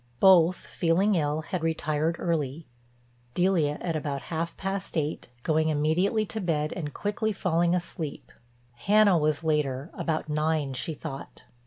Both, feeling ill, had retired early, Delia at about half past eight, going immediately to bed and quickly falling asleep. Hannah was later; about nine, she thought.